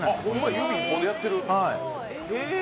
指１本でやってる。